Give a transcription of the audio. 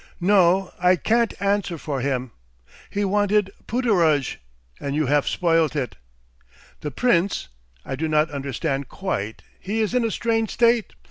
No! I can't answer for him. He wanted Pooterage, and you haf spoilt it. The Prince I do not understand quite, he is in a strange state.